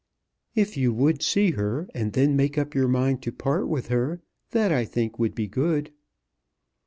"If you would see her, and then make up your mind to part with her, that I think would be good."